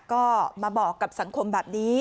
ก็มาบอกกับสังคมแบบนี้